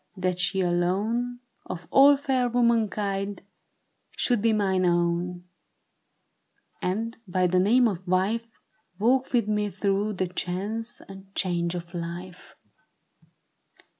That she alone, of all fair womankind. Should be mine own, and, by the name of wife. Walk with me through the chance and change of life.